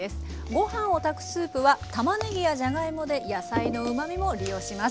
ご飯を炊くスープはたまねぎやじゃがいもで野菜のうまみも利用します。